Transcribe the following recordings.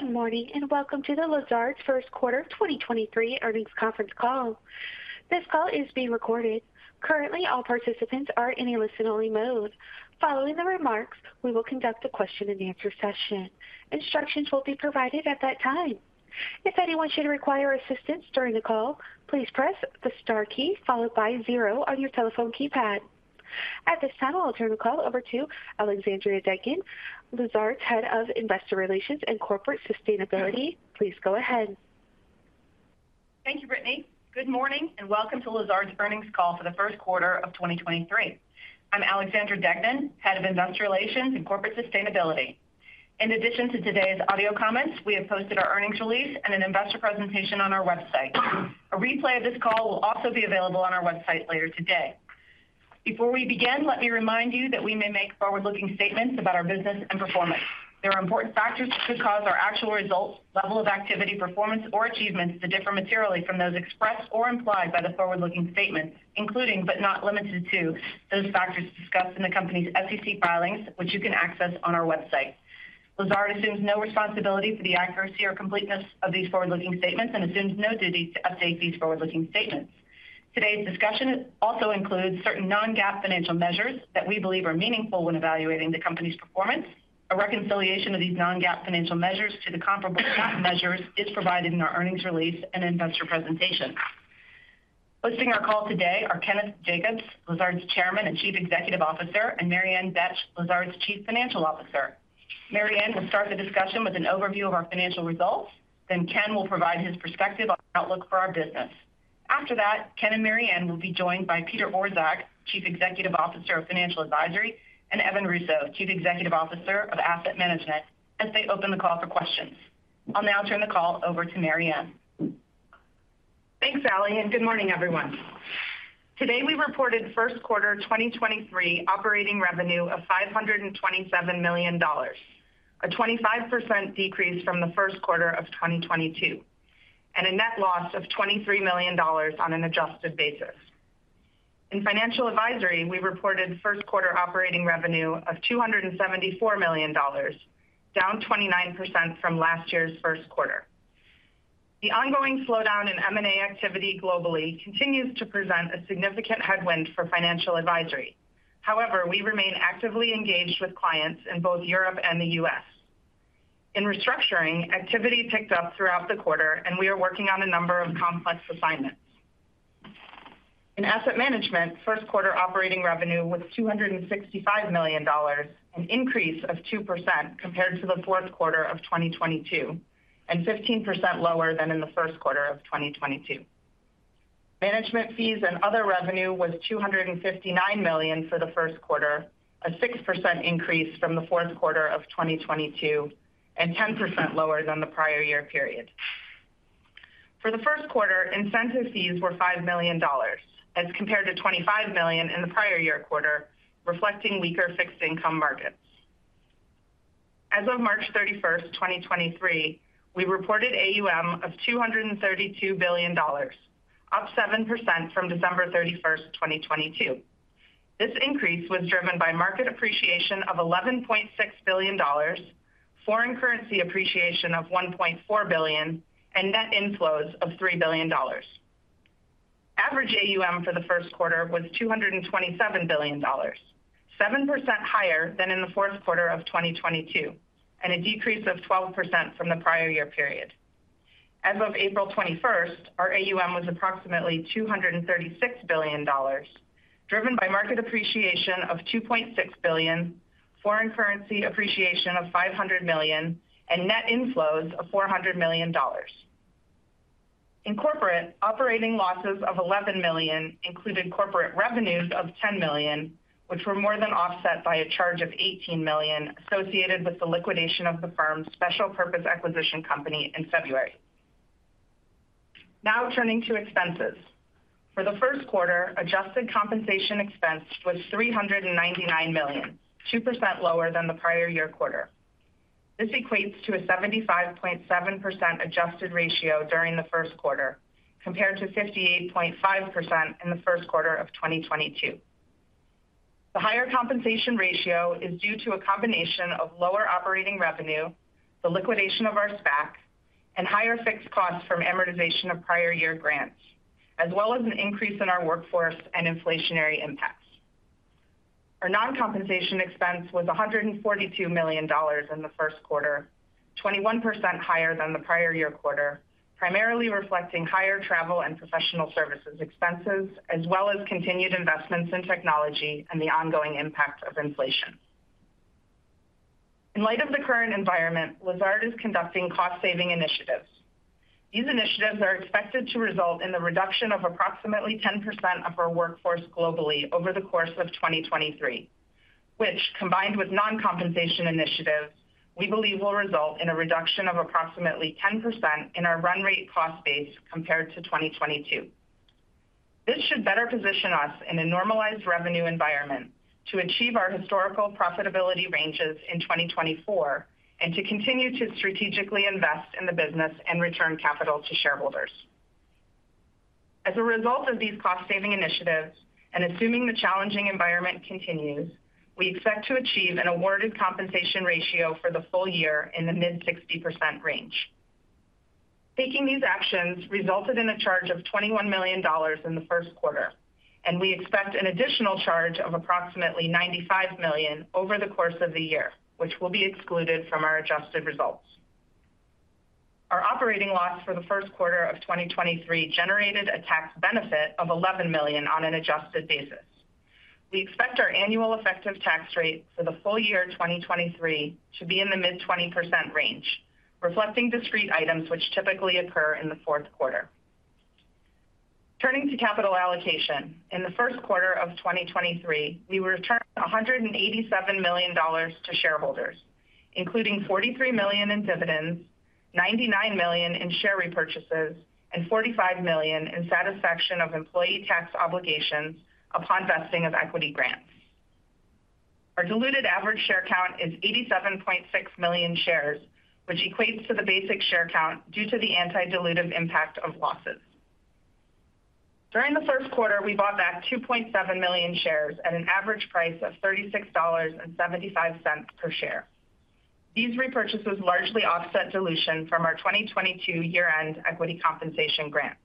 Good morning, welcome to the Lazard's Q1 of 2023 Earnings Conference Call. This call is being recorded. Currently, all participants are in a listen-only mode. Following the remarks, we will conduct a question-and-answer session. Instructions will be provided at that time. If anyone should require assistance during the call, please press the star key followed by zero on your telephone keypad. At this time, I'll turn the call over to Alexandra Deignan Lazard's Head of Investor Relations and Corporate Sustainability. Please go ahead. Thank you, Brittany. Good morning, and welcome to Lazard's Earnings Call for the Q1 of 2023. I'm Alexandra Deignan, Head of Investor Relations and Corporate Sustainability. In addition to today's audio comments, we have posted our earnings release and an investor presentation on our website. A replay of this call will also be available on our website later today. Before we begin, let me remind you that we may make forward-looking statements about our business and performance. There are important factors that could cause our actual results, level of activity, performance, or achievements to differ materially from those expressed or implied by the forward-looking statements, including, but not limited to, those factors discussed in the company's SEC filings, which you can access on our website. Lazard assumes no responsibility for the accuracy or completeness of these forward-looking statements and assumes no duty to update these forward-looking statements. Today's discussion also includes certain non-GAAP financial measures that we believe are meaningful when evaluating the company's performance. A reconciliation of these non-GAAP financial measures to the comparable GAAP measures is provided in our earnings release and investor presentation. Hosting our call today are Kenneth Jacobs, Lazard's Chairman and Chief Executive Officer, and Mary Ann Betsch, Lazard's Chief Financial Officer. Mary Ann will start the discussion with an overview of our financial results, Ken will provide his perspective on the outlook for our business. After that, Ken and Mary Ann will be joined by Peter Orszag, Chief Executive Officer of Financial Advisory, and Evan Russo, Chief Executive Officer of Asset Management, as they open the call for questions. I'll now turn the call over to Mary Ann. Thanks, Ally. Good morning, everyone. Today, we reported Q1 2023 operating revenue of $527 million, a 25% decrease from the Q1 of 2022, and a net loss of $23 million on an adjusted basis. In financial advisory, we reported Q1 operating revenue of $274 million, down 29% from last year's Q1. The ongoing slowdown in M&A activity globally continues to present a significant headwind for financial advisory. However, we remain actively engaged with clients in both Europe and the U.S. In restructuring, activity picked up throughout the quarter, and we are working on a number of complex assignments. In asset management, Q1 operating revenue was $265 million, an increase of 2% compared to the Q4 of 2022, 15% lower than in the Q1 of 2022. Management fees and other revenue was $259 million for the Q1, a 6% increase from the Q4 of 2022, 10% lower than the prior year period. For the Q1, incentive fees were $5 million as compared to $25 million in the prior year quarter, reflecting weaker fixed income markets. As of March 31, 2023, we reported AUM of $232 billion, up 7% from December 31, 2022. This increase was driven by market appreciation of $11.6 billion, foreign currency appreciation of $1.4 billion, and net inflows of $3 billion. Average AUM for the Q1 was $227 billion, 7% higher than in the Q4 of 2022, and a decrease of 12% from the prior year period. As of April 21st, our AUM was approximately $236 billion, driven by market appreciation of $2.6 billion, foreign currency appreciation of $500 million, and net inflows of $400 million. In corporate, operating losses of $11 million included corporate revenues of $10 million, which were more than offset by a charge of $18 million associated with the liquidation of the firm's special purpose acquisition company in February. Turning to expenses. For the Q1, adjusted compensation expense was $399 million, 2% lower than the prior year quarter. This equates to a 75.7% adjusted ratio during the Q1, compared to 58.5% in the Q1 of 2022. The higher compensation ratio is due to a combination of lower operating revenue, the liquidation of our SPAC, and higher fixed costs from amortization of prior year grants, as well as an increase in our workforce and inflationary impacts. Our non-compensation expense was $142 million in the Q1, 21% higher than the prior year quarter, primarily reflecting higher travel and professional services expenses, as well as continued investments in technology and the ongoing impact of inflation. In light of the current environment, Lazard is conducting cost-saving initiatives. These initiatives are expected to result in the reduction of approximately 10% of our workforce globally over the course of 2023, which, combined with non-compensation initiatives, we believe will result in a reduction of approximately 10% in our run rate cost base compared to 2022. This should better position us in a normalized revenue environment to achieve our historical profitability ranges in 2024 and to continue to strategically invest in the business and return capital to shareholders. As a result of these cost-saving initiatives, and assuming the challenging environment continues, we expect to achieve an awarded compensation ratio for the full year in the mid 60% range. Taking these actions resulted in a charge of $21 million in the Q1, and we expect an additional charge of approximately $95 million over the course of the year, which will be excluded from our adjusted results. Our operating loss for the Q1 of 2023 generated a tax benefit of $11 million on an adjusted basis. We expect our annual effective tax rate for the full year 2023 to be in the mid 20% range, reflecting discrete items which typically occur in the Q4. Turning to capital allocation. In the Q1 of 2023, we returned $187 million to shareholders, including $43 million in dividends, $99 million in share repurchases, and $45 million in satisfaction of employee tax obligations upon vesting of equity grants. Our diluted average share count is 87.6 million shares, which equates to the basic share count due to the anti-dilutive impact of losses. During the Q1, we bought back 2.7 million shares at an average price of $36.75 per share. These repurchases largely offset dilution from our 2022 year-end equity compensation grants.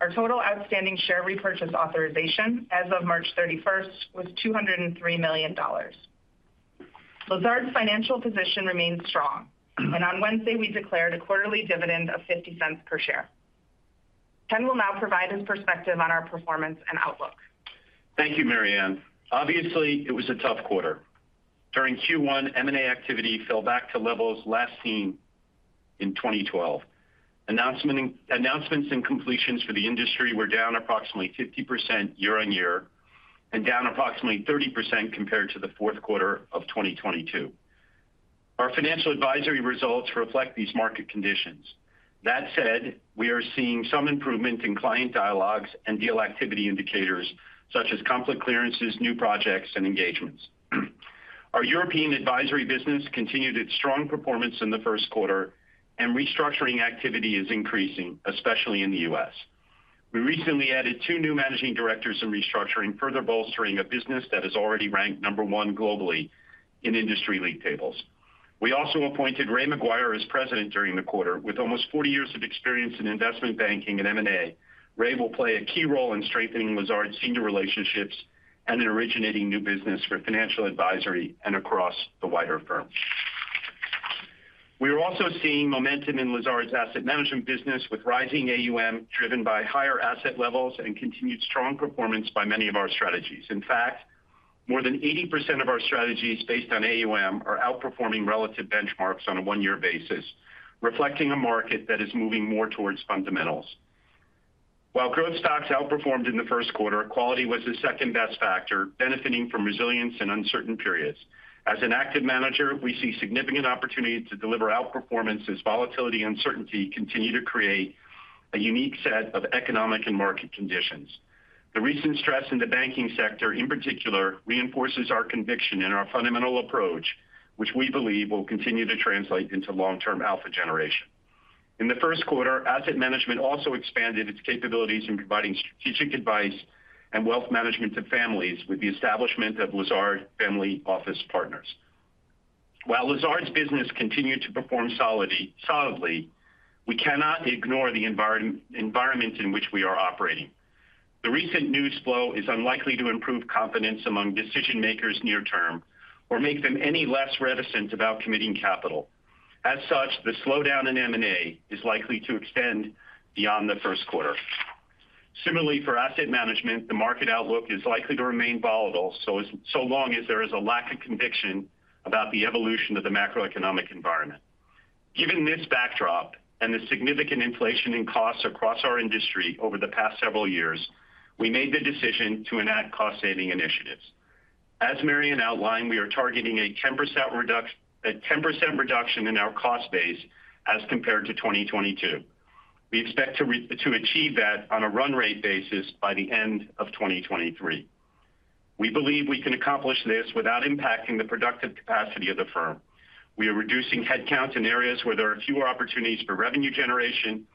Our total outstanding share repurchase authorization as of March 31st was $203 million. Lazard's financial position remains strong, and on Wednesday, we declared a quarterly dividend of $0.50 per share. Ken will now provide his perspective on our performance and outlook. Thank you, Mary Ann. Obviously, it was a tough quarter. During Q1, M&A activity fell back to levels last seen in 2012. announcements and completions for the industry were down approximately 50% year-on-year, and down approximately 30% compared to the Q4 of 2022. Our financial advisory results reflect these market conditions. That said, we are seeing some improvement in client dialogues and deal activity indicators such as conflict clearances, new projects, and engagements. Our European advisory business continued its strong performance in the Q1, and restructuring activity is increasing, especially in the U.S. We recently added two new managing directors in restructuring, further bolstering a business that is already ranked number one globally in industry league tables. We also appointed Ray McGuire as president during the quarter. With almost 40 years of experience in investment banking and M&A, Ray will play a key role in strengthening Lazard's senior relationships and in originating new business for financial advisory and across the wider firm. We are also seeing momentum in Lazard's asset management business with rising AUM, driven by higher asset levels and continued strong performance by many of our strategies. In fact, more than 80% of our strategies based on AUM are outperforming relative benchmarks on a one-year basis, reflecting a market that is moving more towards fundamentals. While growth stocks outperformed in the Q1, quality was the second-best factor, benefiting from resilience in uncertain periods. As an active manager, we see significant opportunity to deliver outperformance as volatility and uncertainty continue to create a unique set of economic and market conditions. The recent stress in the banking sector, in particular, reinforces our conviction in our fundamental approach, which we believe will continue to translate into long-term alpha generation. In the Q1, asset management also expanded its capabilities in providing strategic advice and wealth management to families with the establishment of Lazard Family Office Partners. While Lazard's business continued to perform solidly, we cannot ignore the environment in which we are operating. The recent news flow is unlikely to improve confidence among decision-makers near term or make them any less reticent about committing capital. The slowdown in M&A is likely to extend beyond the Q1. For asset management, the market outlook is likely to remain volatile, so long as there is a lack of conviction about the evolution of the macroeconomic environment. Given this backdrop and the significant inflation in costs across our industry over the past several years, we made the decision to enact cost-saving initiatives. As Mary Ann outlined, we are targeting a 10% reduction in our cost base as compared to 2022. We expect to achieve that on a run rate basis by the end of 2023. We believe we can accomplish this without impacting the productive capacity of the firm. We are reducing headcount in areas where there are fewer opportunities for revenue generation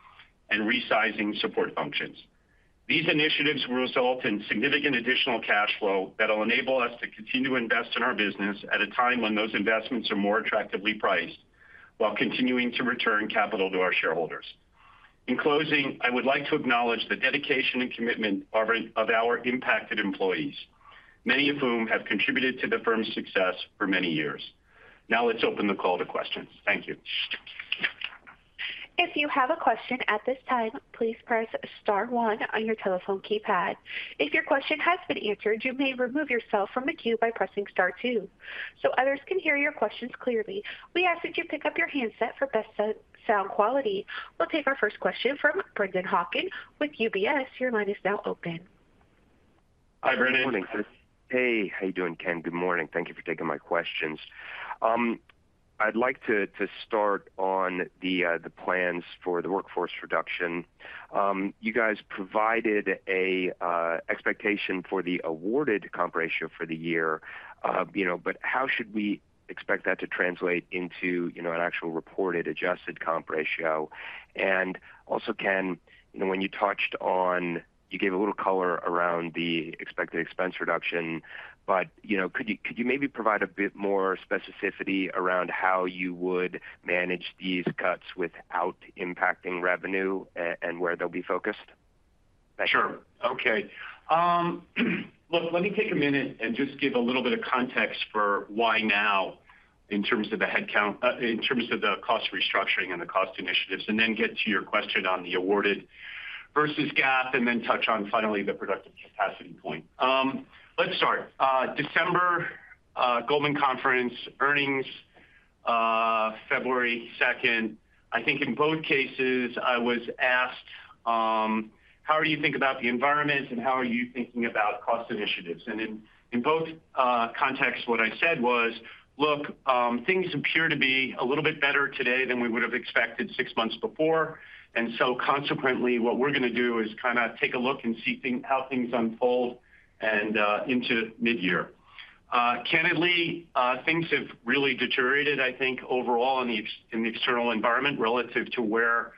and resizing support functions. These initiatives will result in significant additional cash flow that'll enable us to continue to invest in our business at a time when those investments are more attractively priced, while continuing to return capital to our shareholders. In closing, I would like to acknowledge the dedication and commitment of our impacted employees, many of whom have contributed to the firm's success for many years. Now let's open the call to questions. Thank you. If you have a question at this time, please press star one on your telephone keypad. If your question has been answered, you may remove yourself from the queue by pressing star two. Others can hear your questions clearly, we ask that you pick up your handset for best sound quality. We'll take our first question from Brennan Hawken with UBS. Your line is now open. Hi, Brennan. Good morning. Hey, how you doing, Ken? Good morning. Thank you for taking my questions. I'd like to start on the plans for the workforce reduction. You guys provided an expectation for the awarded comp ratio for the year, you know, but how should we expect that to translate into, you know, an actual reported adjusted comp ratio? Also, you know, when you touched on, you gave a little color around the expected expense reduction, but, you know, could you maybe provide a bit more specificity around how you would manage these cuts without impacting revenue and where they'll be focused? Sure. Okay. Look, let me take a minute and just give a little bit of context for why now in terms of the headcount, in terms of the cost restructuring and the cost initiatives, then get to your question on the awarded versus GAAP, and then touch on finally the productive capacity point. Let's start. December, Goldman Conference earnings, February 2nd, I think in both cases I was asked, "How do you think about the environment, and how are you thinking about cost initiatives?" In, in both, contexts, what I said was, "Look, things appear to be a little bit better today than we would've expected 6 months before. Consequently, what we're going to do is take a look and see how things unfold into mid-year. Candidly, things have really deteriorated, I think, overall in the external environment relative to where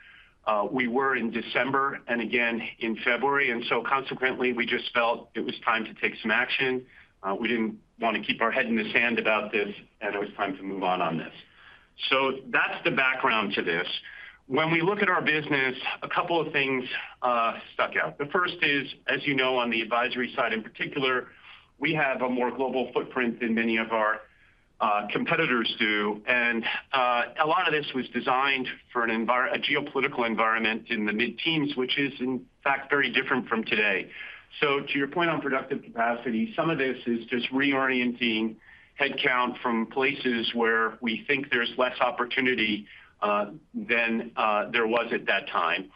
we were in December and again in February. Consequently, we just felt it was time to take some action. We didn't want to keep our head in the sand about this, and it was time to move on on this. That's the background to this. When we look at our business, a couple of things stuck out. The first is, as you know, on the advisory side in particular, we have a more global footprint than many of our competitors do. A lot of this was designed for a geopolitical environment in the mid-teens, which is in fact very different from today. To your point on productive capacity, some of this is just reorienting headcount from places where we think there's less opportunity than there was at that time.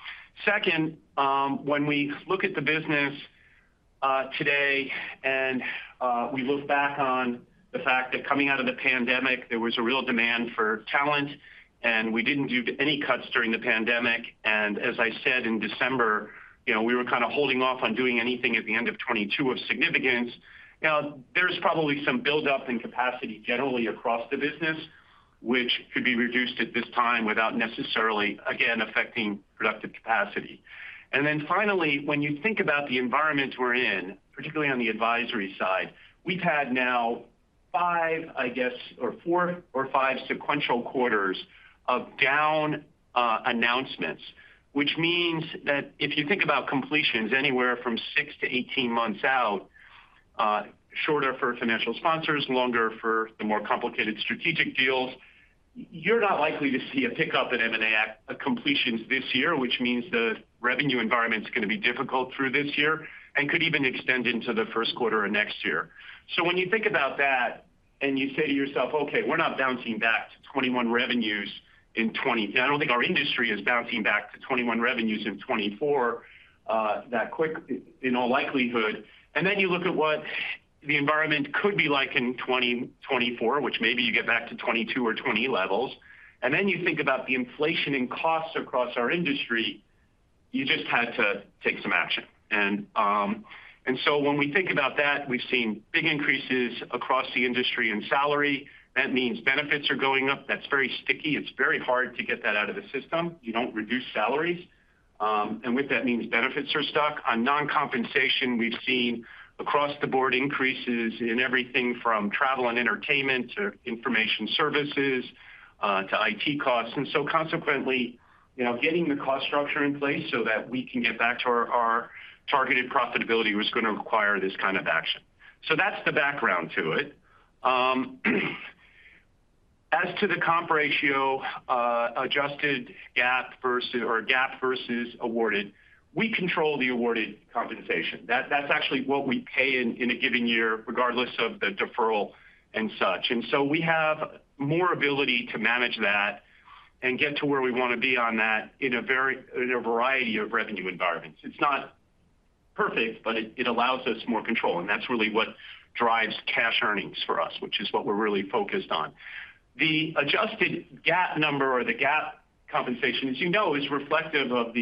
Second, when we look at the business today and we look back on the fact that coming out of the pandemic, there was a real demand for talent, and we didn't do any cuts during the pandemic. As I said in December, you know, we were holding off on doing anything at the end of 2022 of significance. There's probably some buildup in capacity generally across the business, which could be reduced at this time without necessarily, again, affecting productive capacity. Finally, when you think about the environment we're in, particularly on the advisory side, we've had now 5, I guess, or 4 or 5 sequential quarters of down announcements, which means that if you think about completions anywhere from 6-18 months out, shorter for financial sponsors, longer for the more complicated strategic deals, you're not likely to see a pickup in M&A completions this year, which means the revenue environment's going to be difficult through this year and could even extend into the Q1 of next year. When you think about that and you say to yourself, "Okay, we're not bouncing back to 2021 revenues in 2022." I don't think our industry is bouncing back to 2021 revenues in 2024 that quick in all likelihood. Then you look at what the environment could be like in 2024, which maybe you get back to 2022 or 2020 levels, then you think about the inflation in costs across our industry, you just had to take some action. When we think about that, we've seen big increases across the industry in salary. That means benefits are going up. That's very sticky. It's very hard to get that out of the system. You don't reduce salaries. With that means benefits are stuck. On non-compensation, we've seen across-the-board increases in everything from travel and entertainment to information services, to IT costs. Consequently, you know, getting the cost structure in place so that we can get back to our targeted profitability was going to require this action. That's the background to it. As to the comp ratio, adjusted GAAP versus or GAAP versus awarded, we control the awarded compensation. That's actually what we pay in a given year, regardless of the deferral and such. We have more ability to manage that and get to where we want to be on that in a variety of revenue environments. It's not perfect, but it allows us more control, and that's really what drives cash earnings for us, which is what we're really focused on. The adjusted GAAP number or the GAAP compensation, as you know, is reflective of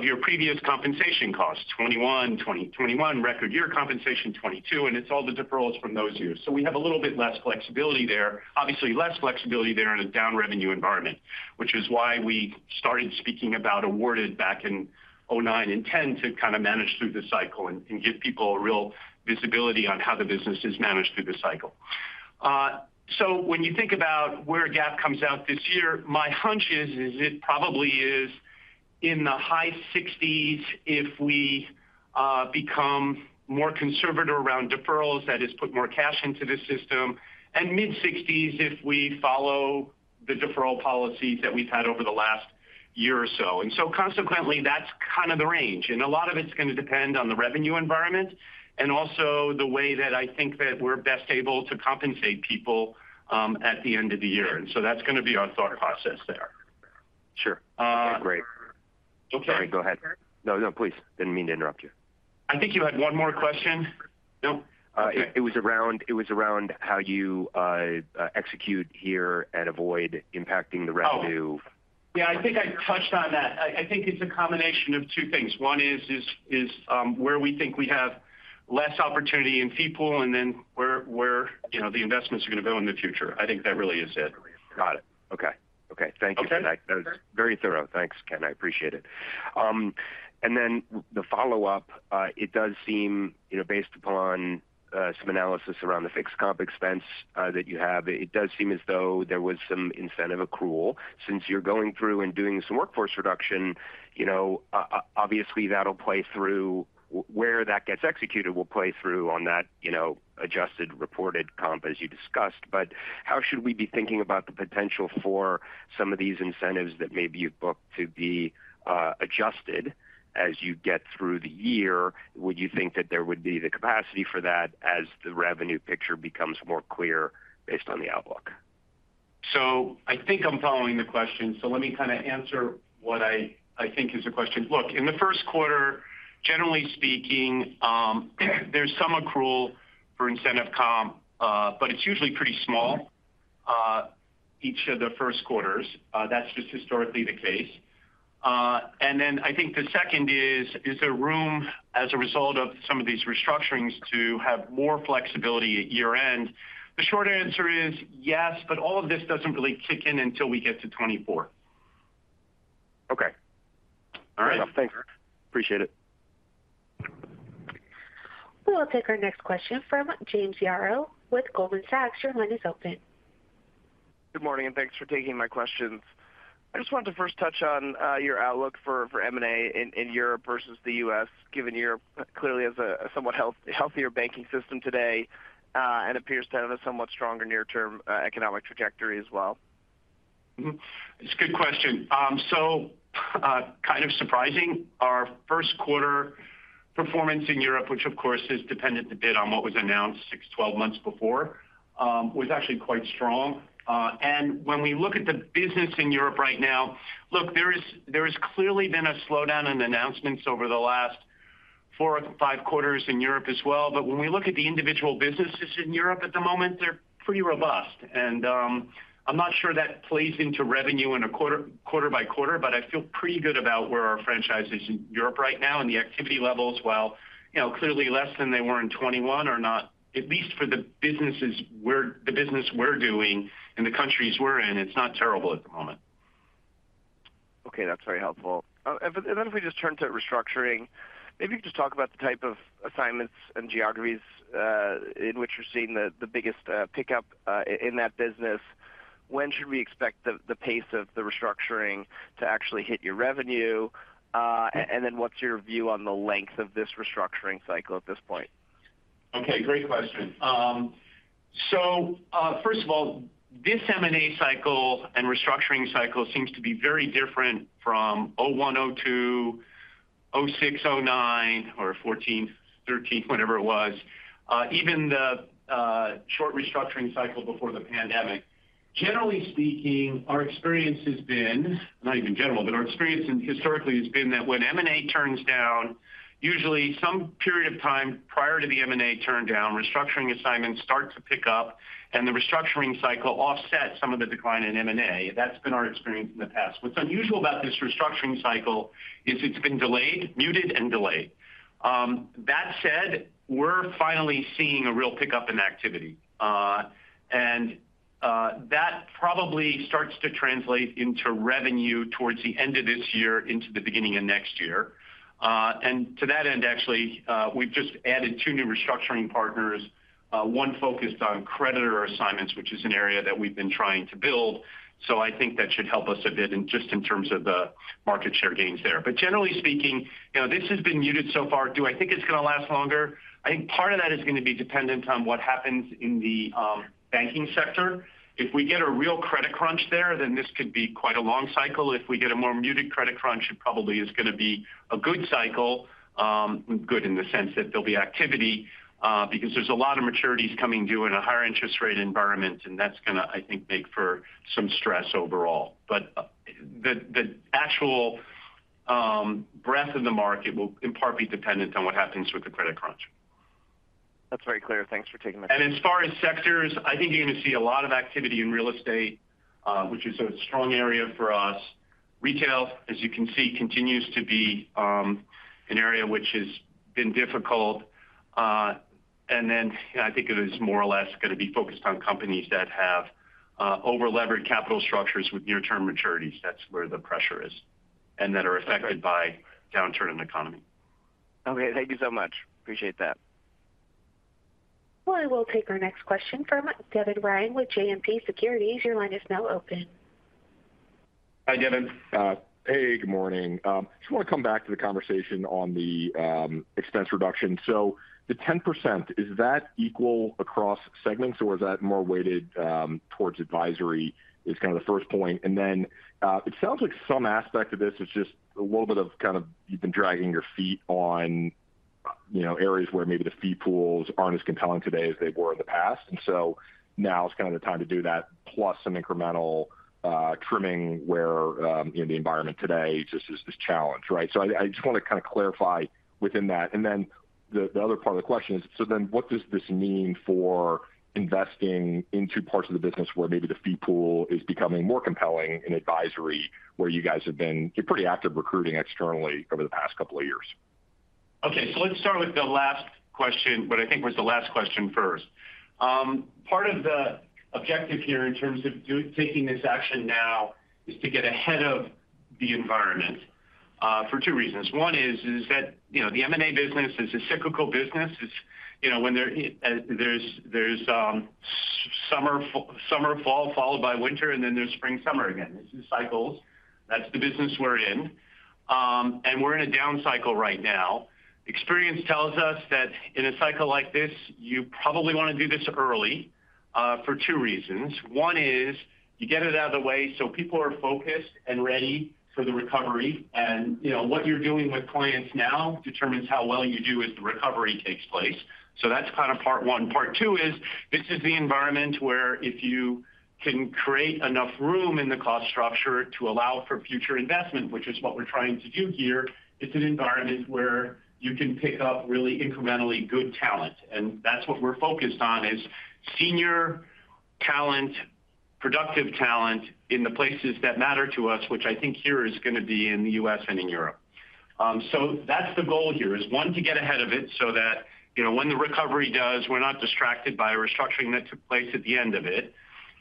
your previous compensation costs, 2021 record year compensation, 2022, and it's all the deferrals from those years. We have a little bit less flexibility there. Obviously, less flexibility there in a down revenue environment, which is why we started speaking about awarded back in 2009 and 2010 to manage through the cycle and give people a real visibility on how the business is managed through the cycle. When you think about where GAAP comes out this year, my hunch is it probably is in the high 60s if we become more conservative around deferrals, that is, put more cash into the system, and mid-60s if we follow the deferral policies that we've had over the last year or so. Consequently, that's the range. A lot of it's going to depend on the revenue environment and also the way that I think that we're best able to compensate people at the end of the year. That's going to be our thought process there. Sure. Uh- Great. Okay. Sorry. Go ahead. No, no, please. Didn't mean to interrupt you. I think you had one more question. Nope? Okay. It was around how you execute here and avoid impacting the revenue. Oh. Yeah, I think I touched on that. I think it's a combination of two things. One is where we think we have less opportunity in people, and then where, you know, the investments are going to go in the future. I think that really is it. Got it. Okay. Thank you for that. Okay. That was very thorough. Thanks, Ken. I appreciate it. The follow-up, it does seem, you know, based upon some analysis around the fixed comp expense that you have, it does seem as though there was some incentive accrual. Since you're going through and doing some workforce reduction, you know, obviously that'll play through. Where that gets executed will play through on that, you know, adjusted reported comp as you discussed. How should we be thinking about the potential for some of these incentives that maybe you've booked to be adjusted as you get through the year? Would you think that there would be the capacity for that as the revenue picture becomes more clear based on the outlook? I think I'm following the question, so let me answer what I think is the question. In the Q1, generally speaking, there's some accrual for incentive comp, but it's usually pretty small each of the Q1s. That's just historically the case. I think the second is there room as a result of some of these restructurings to have more flexibility at year-end? The short answer is yes, all of this doesn't really kick in until we get to 2024. Okay. All right. Great. Thanks. Appreciate it. We'll take our next question from James Yaro with Goldman Sachs. Your line is open. Good morning, and thanks for taking my questions. I just wanted to first touch on your outlook for M&A in Europe versus the US, given Europe clearly has a somewhat healthier banking system today and appears to have a somewhat stronger near-term economic trajectory as well. Mm-hmm. It's a good question. Kind of surprising, our Q1 performance in Europe, which of course is dependent a bit on what was announced 6-12 months before, was actually quite strong. When we look at the business in Europe right now, look, there has clearly been a slowdown in announcements over the last 4-5 quarters in Europe as well. When we look at the individual businesses in Europe at the moment, they're pretty robust. I'm not sure plays into revenue in a quarter by quarter, but I feel pretty good about where our franchise is in Europe right now. The activity levels, while, you know, clearly less than they were in 2021, are not...at least for the business we're doing and the countries we're in, it's not terrible at the moment. Okay, that's very helpful. If we just turn to restructuring, maybe you could just talk about the type of assignments and geographies, in which you're seeing the biggest pickup, in that business. When should we expect the pace of the restructuring to actually hit your revenue? What's your view on the length of this restructuring cycle at this point? Okay, great question. First of all, this M&A cycle and restructuring cycle seems to be very different from 2001, 2002, 2006, 2009, or 2014, 2013, whenever it was, even the short restructuring cycle before the pandemic. Generally speaking, our experience has been, not even general, but our experience historically has been that when M&A turns down, usually some period of time prior to the M&A turndown, restructuring assignments start to pick up and the restructuring cycle offsets some of the decline in M&A. That's been our experience in the past. What's unusual about this restructuring cycle is it's been delayed, muted and delayed. That said, we're finally seeing a real pickup in activity. That probably starts to translate into revenue towards the end of this year into the beginning of next year. To that end, actually, we've just added two new restructuring partners, one focused on creditor assignments, which is an area that we've been trying to build. I think that should help us a bit in, just in terms of the market share gains there. Generally speaking, you know, this has been muted so far. Do I think it's going to last longer? I think part of that is going to be dependent on what happens in the banking sector. If we get a real credit crunch there, then this could be quite a long cycle. If we get a more muted credit crunch, it probably is going to be a good cycle. Good in the sense that there'll be activity, because there's a lot of maturities coming due in a higher interest rate environment, and that's going to, I think, make for some stress overall. The actual breadth of the market will in part be dependent on what happens with the credit crunch. That's very clear. Thanks for taking my question. As far as sectors, I think you're going to see a lot of activity in real estate, which is a strong area for us. Retail, as you can see, continues to be an area which has been difficult. Then I think it is more or less going to be focused on companies that have over-leveraged capital structures with near-term maturities. That's where the pressure is, and that are affected by downturn in the economy. Okay, thank you so much. Appreciate that. I will take our next question from Devin Ryan with JMP Securities. Your line is now open. Hi, Devin. Hey, good morning. Just want to come back to the conversation on the expense reduction. The 10%, is that equal across segments, or is that more weighted towards advisory, is the first point. Then, it sounds like some aspect of this is just a little bit of you've been dragging your feet on- You know, areas where maybe the fee pools aren't as compelling today as they were in the past. Now is the time to do that, plus some incremental trimming where in the environment today just is this challenge, right? I just want to clarify within that. The other part of the question is, what does this mean for investing into parts of the business where maybe the fee pool is becoming more compelling in advisory, where you're pretty active recruiting externally over the past two years. Let's start with the last question, what I think was the last question first. Part of the objective here in terms of taking this action now is to get ahead of the environment for two reasons. One is that, you know, the M&A business is a cyclical business. It's, you know, when there's summer, fall, followed by winter, and then there's spring, summer again. It's in cycles. That's the business we're in. We're in a down cycle right now. Experience tells us that in a cycle like this, you probably want to do this early for 2 reasons. One is you get it out of the way so people are focused and ready for the recovery. You know, what you're doing with clients now determines how well you do as the recovery takes place. That's part one. Part two is this is the environment where if you can create enough room in the cost structure to allow for future investment, which is what we're trying to do here, it's an environment where you can pick up really incrementally good talent. That's what we're focused on, is senior talent, productive talent in the places that matter to us, which I think here is going to be in the U.S. and in Europe. That's the goal here, is, one, to get ahead of it so that, you know, when the recovery does, we're not distracted by a restructuring that took place at the end of it.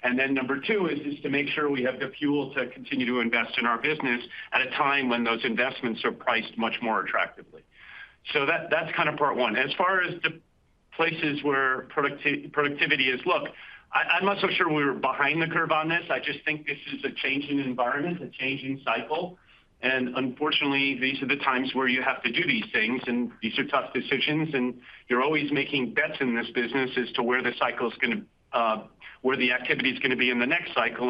Number two is to make sure we have the fuel to continue to invest in our business at a time when those investments are priced much more attractively. That's part one. As far as the places where productivity is. Look, I'm not so sure we're behind the curve on this. I just think this is a changing environment, a changing cycle. Unfortunately, these are the times where you have to do these things, and these are tough decisions. You're always making bets in this business as to where the cycle's going to, where the activity's going to be in the next cycle.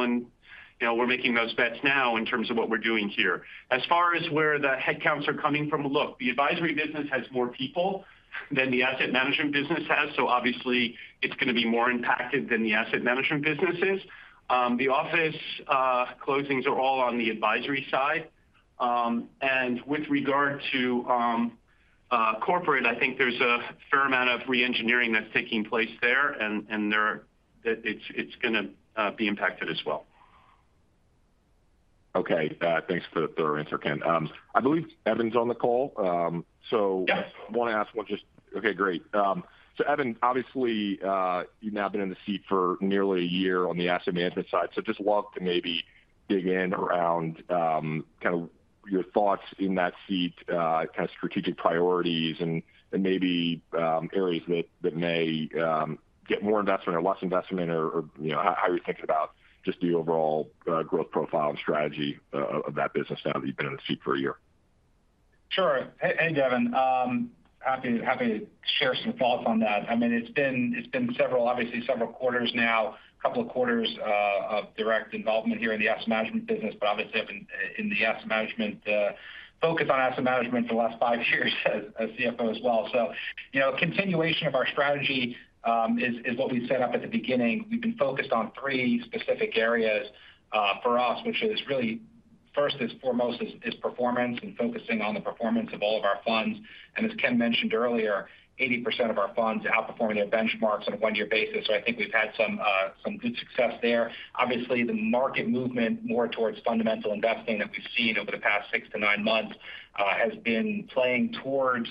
You know, we're making those bets now in terms of what we're doing here. As far as where the headcounts are coming from, look, the advisory business has more people than the asset management business has, so obviously it's going to be more impacted than the asset management business is. The office closings are all on the advisory side. With regard to corporate, I think there's a fair amount of re-engineering that's taking place there. There it's going to be impacted as well. Okay. thanks for the thorough answer, Ken. I believe Evan's on the call. Yes. I want to ask what just... Okay, great. Evan, obviously, you've now been in the seat for nearly 1 year on the asset management side. Just love to maybe dig in around your thoughts in that seat, strategic priorities and maybe areas that may get more investment or less investment or, you know, how you're thinking about just the overall growth profile and strategy of that business now that you've been in the seat for 1 year. Sure. Hey, Devin Ryan. I mean, it's been several, obviously several quarters now, couple of quarters, of direct involvement here in the asset management business, but obviously I've been in the asset management, focus on asset management for the last five years as CFO as well. You know, continuation of our strategy is what we set up at the beginning. We've been focused on three specific areas for us, which is really first and foremost is performance and focusing on the performance of all of our funds. As Kenneth Jacobs mentioned earlier, 80% of our funds are outperforming their benchmarks on a one-year basis. I think we've had some good success there. Obviously, the market movement more towards fundamental investing that we've seen over the past six to nine months has been playing towards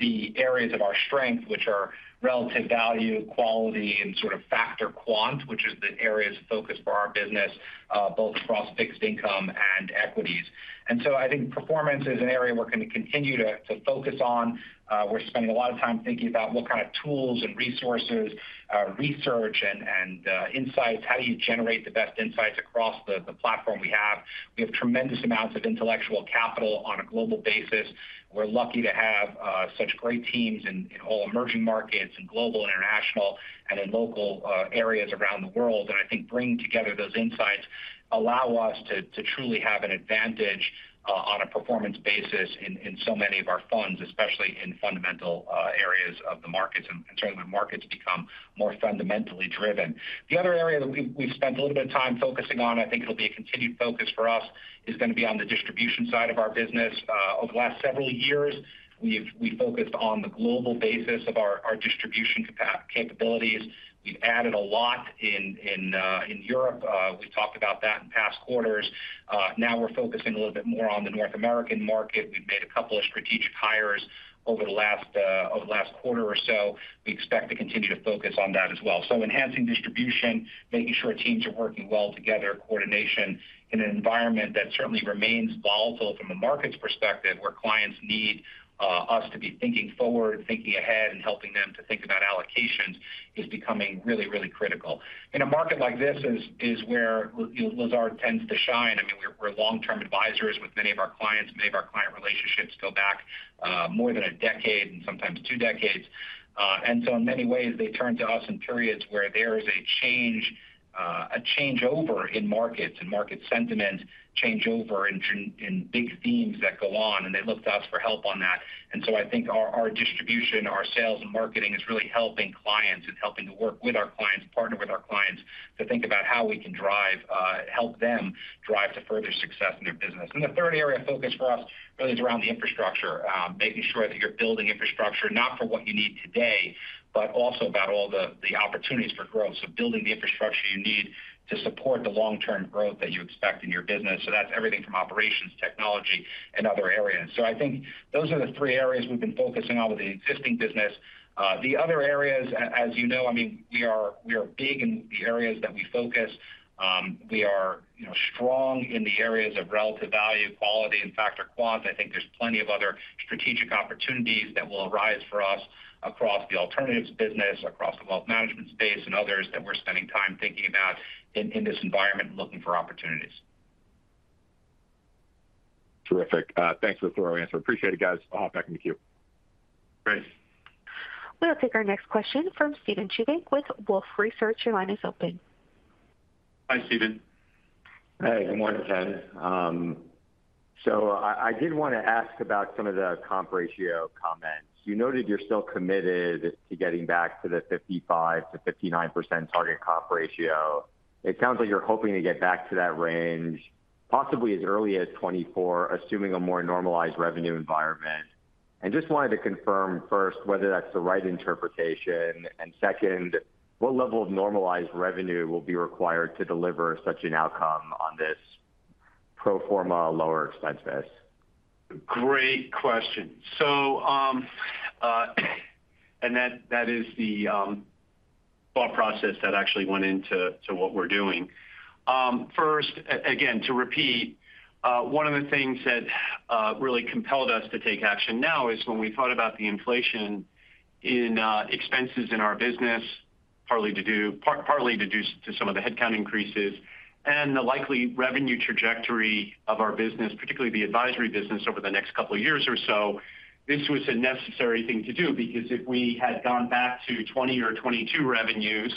the areas of our strength, which are relative value, quality, and factor quant, which is the areas of focus for our business, both across fixed income and equities. I think performance is an area we're going to continue to focus on. We're spending a lot of time thinking about what tools and resources, research and insights, how do you generate the best insights across the platform we have. We have tremendous amounts of intellectual capital on a global basis. We're lucky to have such great teams in all emerging markets and global, international, and in local areas around the world. I think bringing together those insights allow us to truly have an advantage on a performance basis in so many of our funds, especially in fundamental areas of the markets and certainly when markets become more fundamentally driven. The other area that we've spent a little bit of time focusing on, I think it'll be a continued focus for us, is going to be on the distribution side of our business. Over the last several years, we focused on the global basis of our distribution capabilities. We've added a lot in Europe. We've talked about that in past quarters. Now we're focusing a little bit more on the North American market. We've made a couple of strategic hires over the last over the last quarter or so. We expect to continue to focus on that as well. Enhancing distribution, making sure teams are working well together, coordination in an environment that certainly remains volatile from a markets perspective, where clients need us to be thinking forward, thinking ahead, and helping them to think about allocations is becoming really, really critical. In a market like this is where Lazard tends to shine. I mean, we're long-term advisors with many of our clients. Many of our client relationships go back more than a decade and sometimes 2 decades. In many ways, they turn to us in periods where there is a change, a changeover in markets and market sentiment changeover in big themes that go on, and they look to us for help on that. I think our distribution, our sales and marketing is really helping clients and helping to work with our clients, partner with our clients to think about how we can drive, help them drive to further success in their business. The third area of focus for us really is around the infrastructure. Making sure that you're building infrastructure not for what you need today, but also about all the opportunities for growth. Building the infrastructure you need to support the long-term growth that you expect in your business. That's everything from operations, technology, and other areas. I think those are the three areas we've been focusing on with the existing business. The other areas as you know, I mean, we are big in the areas that we focus. We are, you know, strong in the areas of relative value, quality, and factor quant. I think there's plenty of other strategic opportunities that will arise for us across the alternatives business, across the wealth management space and others that we're spending time thinking about in this environment and looking for opportunities. Terrific. Thanks for the thorough answer. Appreciate it, guys. I'll hop back in the queue. Great. We'll take our next question from Steven Chubak with Wolfe Research. Your line is open. Hi, Steven. Good morning, Ken. I did want to ask about some of the comp ratio comments. You noted you're still committed to getting back to the 55%-59% target comp ratio. It sounds like you're hoping to get back to that range possibly as early as 2024, assuming a more normalized revenue environment. I just wanted to confirm first whether that's the right interpretation. Second, what level of normalized revenue will be required to deliver such an outcome on this pro forma lower expense base? Great question. That, that is the thought process that actually went into to what we're doing. First, again, to repeat, one of the things that really compelled us to take action now is when we thought about the inflation in expenses in our business, partly deduced to some of the headcount increases and the likely revenue trajectory of our business, particularly the advisory business over the next couple of years or so. This was a necessary thing to do because if we had gone back to 2020 or 2022 revenues,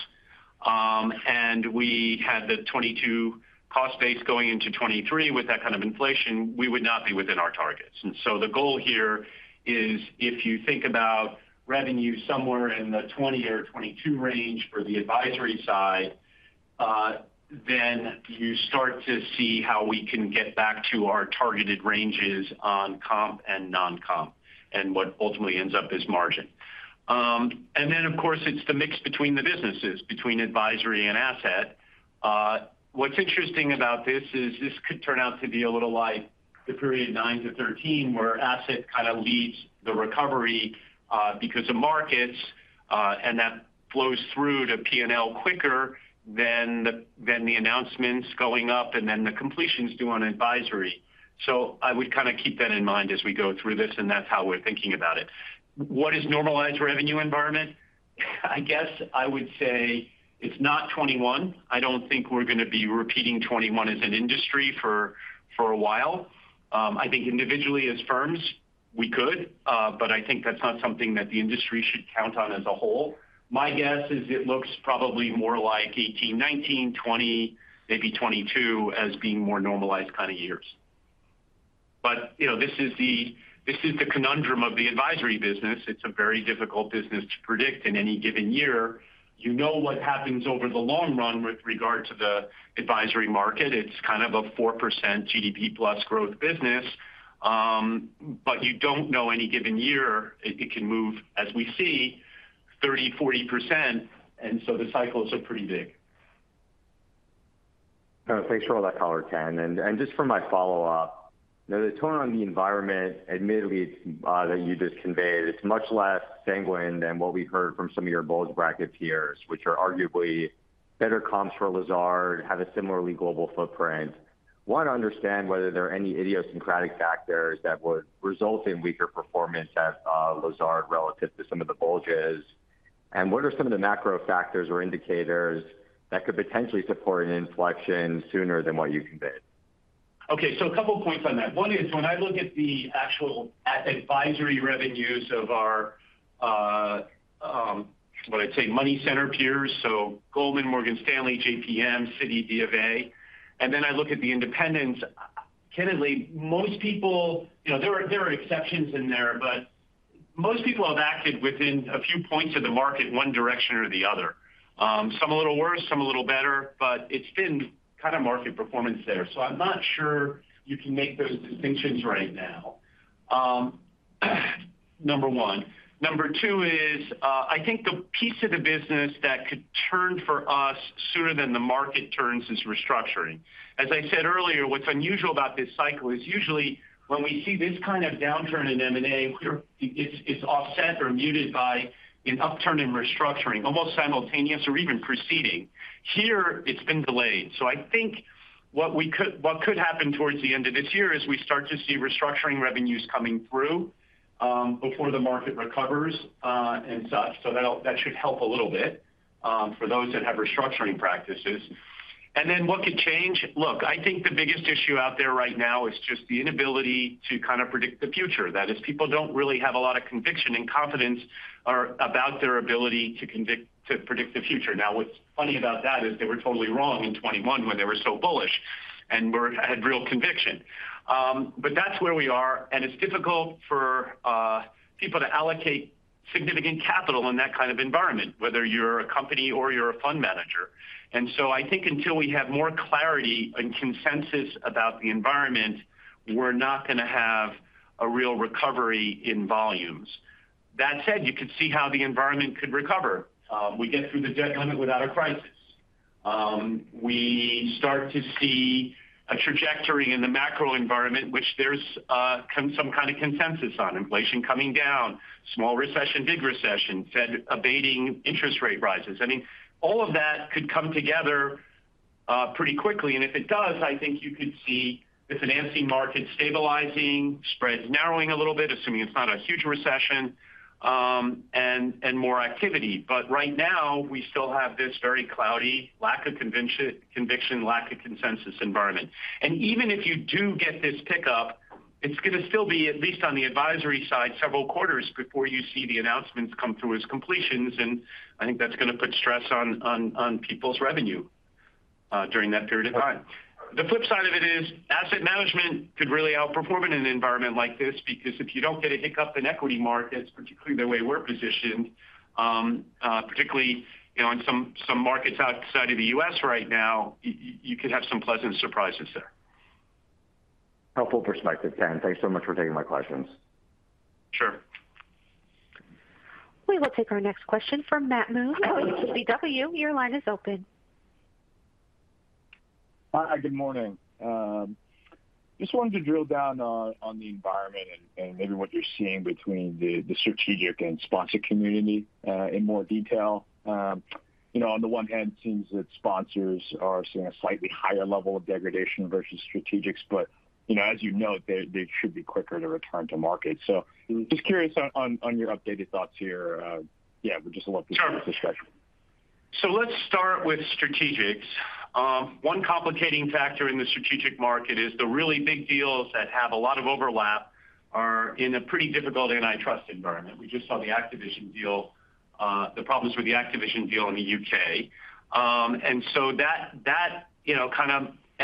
and we had the 2022 cost base going into 2023 with that inflation, we would not be within our targets. The goal here is if you think about revenue somewhere in the 2020 or 2022 range for the advisory side, then you start to see how we can get back to our targeted ranges on comp and non-comp, and what ultimately ends up is margin. Of course, it's the mix between the businesses, between advisory and asset. What's interesting about this is this could turn out to be a little like the period 2009-2013, where asset leads the recovery, because of markets, and that flows through to P&L quicker than the announcements going up and then the completions do on advisory. I would keep that in mind as we go through this, and that's how we're thinking about it. What is normalized revenue environment? I guess I would say it's not 2021. I don't think we're going to be repeating 2021 as an industry for a while. I think individually as firms we could, but I think that's not something that the industry should count on as a whole. My guess is it looks probably more like 2018, 2019, 2020, maybe 2022 as being more normalized years. You know, this is the, this is the conundrum of the advisory business. It's a very difficult business to predict in any given year. You know what happens over the long run with regard to the advisory market. It's a 4% GDP plus growth business, but you don't know any given year. It can move, as we see, 30%, 40%. So the cycles are pretty big. Thanks for all that color, Ken. Just for my follow-up. Now, the tone on the environment, admittedly, it's that you just conveyed, it's much less sanguine than what we heard from some of your bulge bracket peers, which are arguably better comps for Lazard, have a similarly global footprint. Want to understand whether there are any idiosyncratic factors that would result in weaker performance at Lazard relative to some of the bulges. What are some of the macro factors or indicators that could potentially support an inflection sooner than what you conveyed? Okay, 2 points on that. 1 is when I look at the actual advisory revenues of our, what I'd say money center peers, Goldman, Morgan Stanley, JPM, Citi, BofA, and then I look at the independents, candidly, most people... You know, there are, there are exceptions in there, but most people have acted within a few points of the market in one direction or the other. Some a little worse, some a little better, but it's been market performance there. I'm not sure you can make those distinctions right now, number 1. Number 2 is, I think the piece of the business that could turn for us sooner than the market turns is Restructuring. As I said earlier, what's unusual about this cycle is usually when we see this downturn in M&A, it's offset or muted by an upturn in restructuring, almost simultaneous or even preceding. Here it's been delayed. I think what could happen towards the end of this year is we start to see restructuring revenues coming through before the market recovers and such. That should help a little bit for those that have restructuring practices. What could change? Look, I think the biggest issue out there right now is just the inability to predict the future. That is, people don't really have a lot of conviction and confidence about their ability to predict the future. What's funny about that is they were totally wrong in 21 when they were so bullish and had real conviction. That's where we are, and it's difficult for people to allocate significant capital in that environment, whether you're a company or you're a fund manager. I think until we have more clarity and consensus about the environment, we're not going to have a real recovery in volumes. That said, you could see how the environment could recover. We get through the debt limit without a crisis. We start to see a trajectory in the macro environment, which there's some consensus on inflation coming down, small recession, big recession, Fed abating interest rate rises. I mean, all of that could come together, pretty quickly. If it does, I think you could see the financing market stabilizing, spreads narrowing a little bit, assuming it's not a huge recession, and more activity. Right now, we still have this very cloudy lack of conviction, lack of consensus environment. Even if you do get this pickup, it's going to still be, at least on the advisory side, several quarters before you see the announcements come through as completions. I think that's going to put stress on people's revenue during that period of time. The flip side of it is asset management could really outperform in an environment like this, because if you don't get a hiccup in equity markets, particularly the way we're positioned, particularly, you know, in some markets outside of the US right now, you could have some pleasant surprises there. Helpful perspective, Ken. Thank you so much for taking my questions. Sure. We will take our next question from Matthew Moon, KBW. Your line is open. Hi, good morning. Just wanted to drill down on the environment and maybe what you're seeing between the strategic and sponsor community, in more detail. You know, on the one hand, it seems that sponsors are seeing a slightly higher level of degradation versus strategics, but, you know, as you note, they should be quicker to return to market. Just curious on, on your updated thoughts here. Yeah, would just love to hear the discussion. Sure. Let's start with strategics. One complicating factor in the strategic market is the really big deals that have a lot of overlap are in a pretty difficult antitrust environment. We just saw the Activision deal, the problems with the Activision deal in the UK.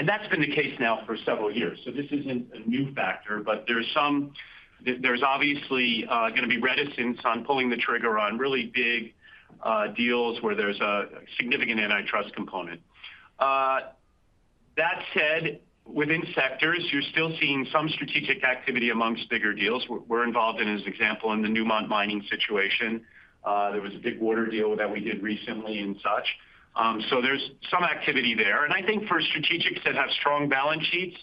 That's been the case now for several years, so this isn't a new factor. There's obviously going to be reticence on pulling the trigger on really big deals where there's a significant antitrust component. That said, within sectors, you're still seeing some strategic activity amongst bigger deals. We're involved in, as an example, in the Newmont Mining situation. There was a big water deal that we did recently and such. There's some activity there. I think for strategics that have strong balance sheets,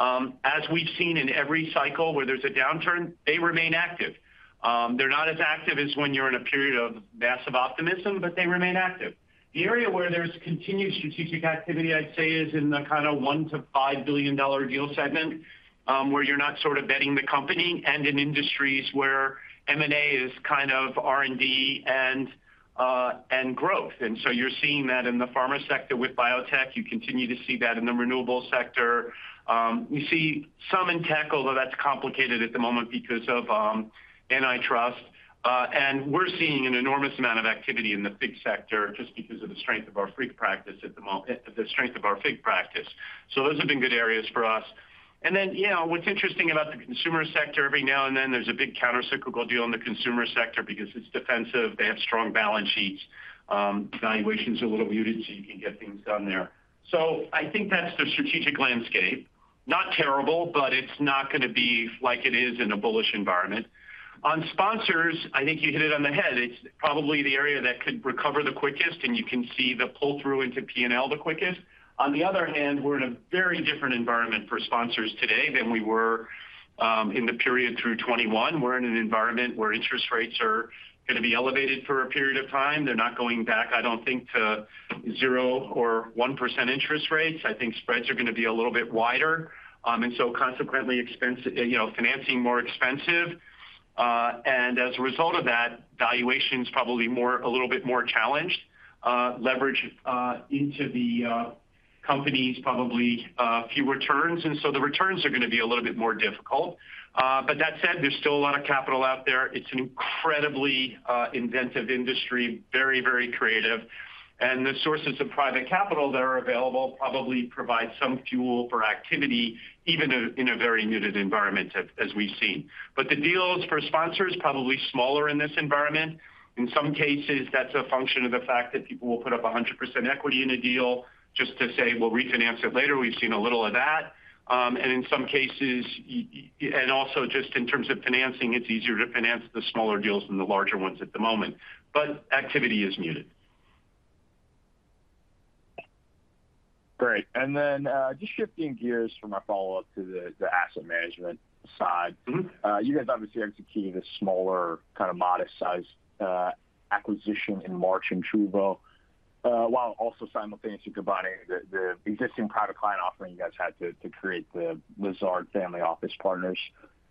as we've seen in every cycle where there's a downturn, they remain active. They're not as active as when you're in a period of massive optimism, but they remain active. The area where there's continued strategic activity, I'd say, is in the $1 billion-$5 billion deal segment, where you're not betting the company and in industries where M&A is R&D and growth. You're seeing that in the pharma sector with biotech. You continue to see that in the renewable sector. We see some in tech, although that's complicated at the moment because of antitrust. We're seeing an enormous amount of activity in the FIG sector just because of the strength of our Restructuring practice, the strength of our FIG practice. Those have been good areas for us. You know, what's interesting about the consumer sector, every now and then there's a big countercyclical deal in the consumer sector because it's defensive. They have strong balance sheets. Valuation's a little muted, so you can get things done there. I think that's the strategic landscape. Not terrible, but it's not going to be like it is in a bullish environment. On sponsors, I think you hit it on the head. It's probably the area that could recover the quickest, and you can see the pull-through into P&L the quickest. We're in a very different environment for sponsors today than we were in the period through 21. We're in an environment where interest rates are going to be elevated for a period of time. They're not going back, I don't think, to 0% or 1% interest rates. I think spreads are going to be a little bit wider, consequently, expense, you know, financing more expensive. As a result of that, valuation is probably more, a little bit more challenged. Leverage into the companies probably few returns, the returns are going to be a little bit more difficult. That said, there is still a lot of capital out there. It's an incredibly inventive industry, very, very creative. The sources of private capital that are available probably provide some fuel for activity even in a, in a very muted environment as we've seen. The deals for sponsors, probably smaller in this environment. In some cases, that's a function of the fact that people will put up 100% equity in a deal just to say, "We'll refinance it later." We've seen a little of that. In some cases, and also just in terms of financing, it's easier to finance the smaller deals than the larger ones at the moment. Activity is muted. Great. Just shifting gears for my follow-up to the asset management side. Mm-hmm. You guys obviously executed a smaller, modest-sized acquisition in March in Truvvo. While also simultaneously combining the existing private client offering you guys had to create the Lazard Family Office Partners.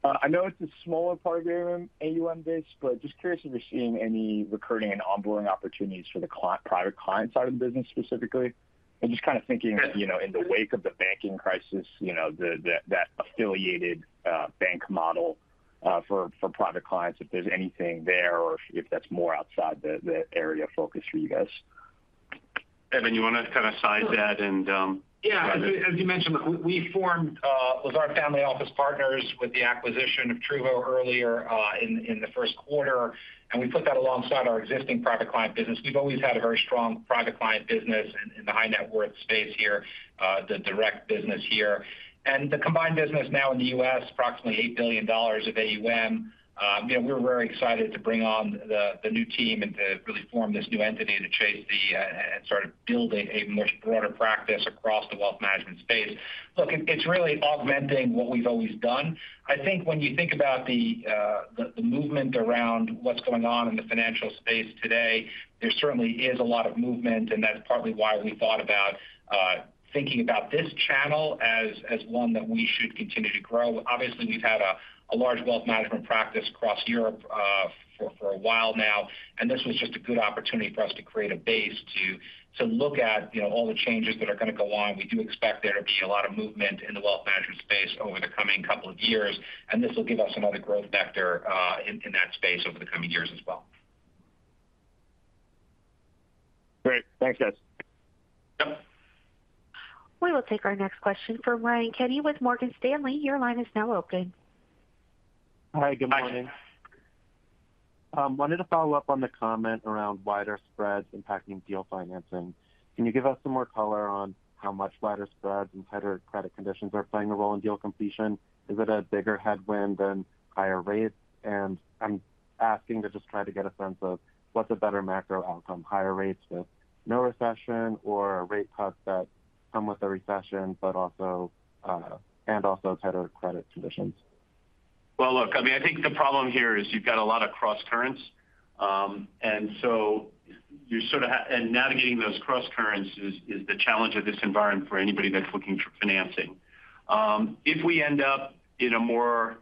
I know it's a smaller part of your AUM base, but just curious if you're seeing any recruiting and onboarding opportunities for the private client side of the business specifically. I'm just thinking, you know, in the wake of the banking crisis, you know, that affiliated bank model for private clients, if there's anything there or if that's more outside the area of focus for you guys? Evan, you want to size that and? Yeah. As you mentioned, we formed Lazard Family Office Partners with the acquisition of Truvvo earlier in the Q1, and we put that alongside our existing private client business. We've always had a very strong private client business in the high net worth space here, the direct business here. The combined business now in the US, approximately $8 billion of AUM. You know, we're very excited to bring on the new team and to really form this new entity to chase the and start building a much broader practice across the wealth management space. Look, it's really augmenting what we've always done. I think when you think about the movement around what's going on in the financial space today, there certainly is a lot of movement. That's partly why we thought about thinking about this channel as one that we should continue to grow. Obviously, we've had a large wealth management practice across Europe, for a while now. This was just a good opportunity for us to create a base to look at, you know, all the changes that are going to go on. We do expect there to be a lot of movement in the wealth management space over the coming couple of years. This will give us another growth vector in that space over the coming years as well. Great. Thanks, guys. Yep. We will take our next question from Ryan Kenny with Morgan Stanley. Your line is now open. Hi, good morning. Hi. Wanted to follow up on the comment around wider spreads impacting deal financing. Can you give us some more color on how much wider spreads and tighter credit conditions are playing a role in deal completion? Is it a bigger headwind than higher rates? I'm asking to just try to get a sense of what's a better macro outcome, higher rates with no recession or a rate cut that come with a recession, but also tighter credit conditions. Well, look, I mean, I think the problem here is you've got a lot of crosscurrents. Navigating those crosscurrents is the challenge of this environment for anybody that's looking for financing. If we end up in a more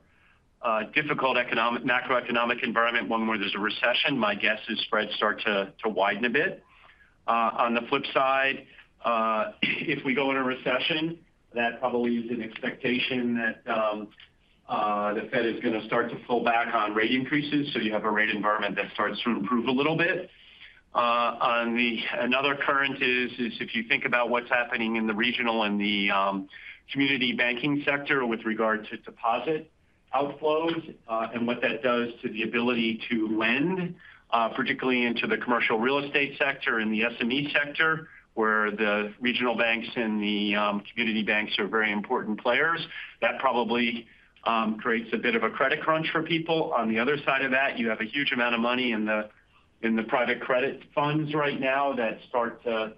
difficult macroeconomic environment, one where there's a recession, my guess is spreads start to widen a bit. On the flip side, if we go in a recession, that probably is an expectation that the Fed is going to start to pull back on rate increases, you have a rate environment that starts to improve a little bit. Another current is if you think about what's happening in the regional and the community banking sector with regard to deposit outflows, and what that does to the ability to lend, particularly into the commercial real estate sector and the SME sector, where the regional banks and the community banks are very important players. That probably creates a bit of a credit crunch for people. On the other side of that, you have a huge amount of money in the private credit funds right now that start to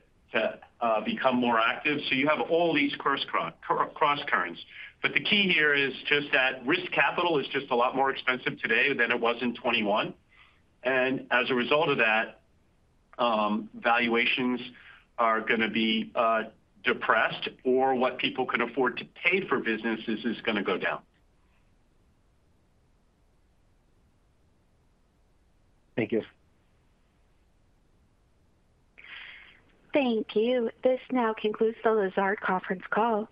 become more active. You have all these crosscurrents. The key here is just that risk capital is just a lot more expensive today than it was in 2021. As a result of that, valuations are going to be depressed, or what people can afford to pay for businesses is going to go down. Thank you. Thank you. This now concludes the Lazard Conference Call.